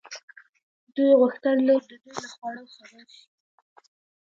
دوی غوښتل نور د دوی له خوړو خبر شي.